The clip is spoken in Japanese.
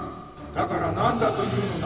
だからなんだというのだ。